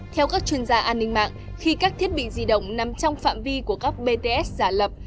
theo các chuyên gia an ninh mạng khi các thiết bị di động nằm trong phạm vi của các bts giả lập